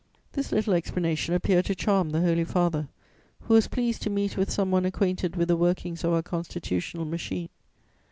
"This little explanation appeared to charm the Holy Father, who was pleased to meet with some one acquainted with the workings of our constitutional machine.